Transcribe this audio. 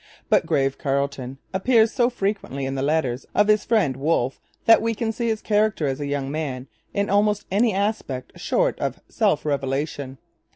But 'grave Carleton' appears so frequently in the letters of his friend Wolfe that we can see his character as a young man in almost any aspect short of self revelation.